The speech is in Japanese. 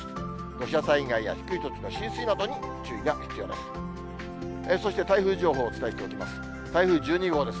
土砂災害や低い土地の浸水などに注意が必要です。